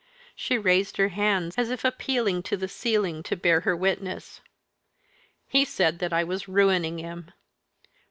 She raised her hands, as if appealing to the ceiling to bear her witness. "He said that I was ruining him.